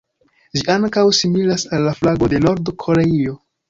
Ĝi ankaŭ similas al la flago de Nord-Koreio.